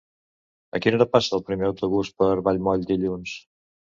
A quina hora passa el primer autobús per Vallmoll dilluns?